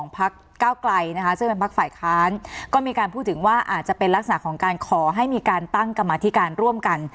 พักเก้าไกลนะคะซึ่งเป็นพักฝ่ายค้านก็มีการพูดถึงว่าอาจจะเป็นลักษณะของการขอให้มีการตั้งกรรมธิการร่วมกัน